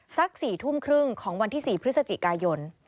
สัก๔ทุ่มครึ่งของวันที่๔พฤศจิกายน